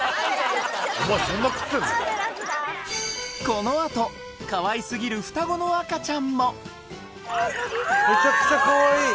このあとかわいすぎる双子の赤ちゃんもメチャクチャかわいい